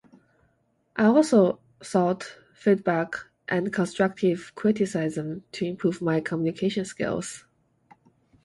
I also sought feedback and constructive criticism to improve my communication skills.